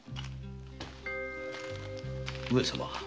上様